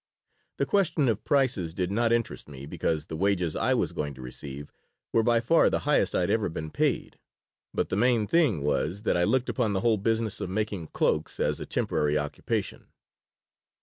The question of prices did not interest me, because the wages I was going to receive were by far the highest I had ever been paid. But the main thing was that I looked upon the whole business of making cloaks as a temporary occupation.